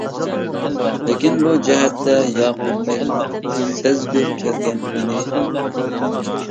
لېكىن، بۇ جەھەتتە ياقۇپ بەگ سەزگۈر كەلگەن ئىدى.